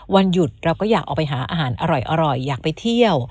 วันหยุดเราก็อยากออกไปหาอาหารอร่อยอยากไปเที่ยว